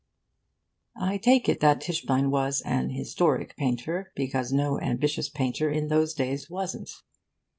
I take it that Tischbein was an 'historic' painter because no ambitious painter in those days wasn't.